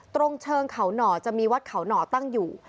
ตรงเชิงเขาหน่อจะมีวัดเขาหน่อตั้งอยู่